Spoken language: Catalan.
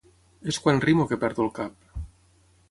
És quan rimo que perdo el cap.